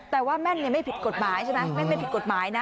แต่ว่าแม่นไม่ผิดกฎหมายใช่ไหมแม่นไม่ผิดกฎหมายนะ